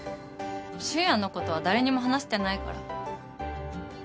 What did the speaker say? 俊也のことは誰にも話してないから。